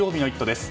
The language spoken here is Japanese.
です。